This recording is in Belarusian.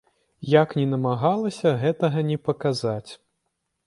Як ні намагалася гэтага не паказаць.